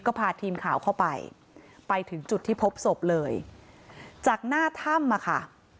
ก็พาทีมข่าวเข้าไปไปถึงจุดที่พบศพเลยจากหน้าถ้ำอะค่ะ